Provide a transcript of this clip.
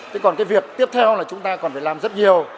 thế còn cái việc tiếp theo là chúng ta còn phải làm rất nhiều